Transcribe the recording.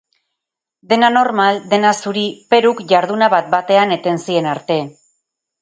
Dena normal, dena zuri, Peruk jarduna bat-batean eten zien arte.